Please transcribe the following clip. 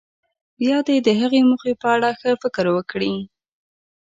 بیا دې د هغې موخې په اړه ښه فکر وکړي.